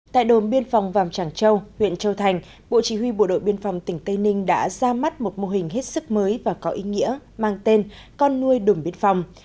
tại đồn biên phòng vàng tràng châu huyện châu thành bộ chỉ huy bộ đội biên phòng tỉnh tây ninh đã ra mắt một mô hình hết sức mới và có ý nghĩa mang tên con nuôi đồn biên phòng